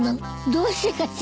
どうしてかしら。